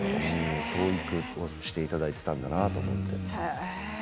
教育をしていただいたんだなと。